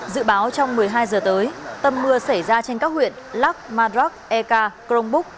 dự báo trong một mươi hai giờ tới tâm mưa xảy ra trên các huyện lắc marak eka crong búc